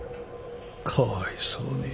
かわいそうに。